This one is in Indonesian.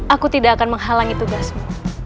aku tidak akan menghalangi tugasmu